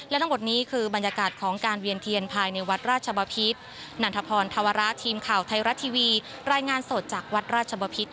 และทั้งหมดนี้คือบรรยากาศของการเวียนเทียนภายในวัดราชบพิษ